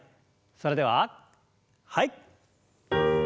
それでははい。